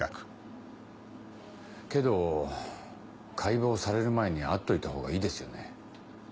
けど解剖される前に会っといたほうがいいですよね？